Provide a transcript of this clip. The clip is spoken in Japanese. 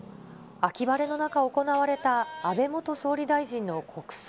秋晴れの中、行われた安倍元総理大臣の国葬。